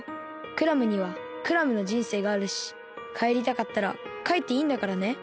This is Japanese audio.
クラムにはクラムのじんせいがあるしかえりたかったらかえっていいんだからね。